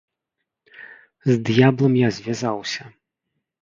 З д'яблам я звязаўся!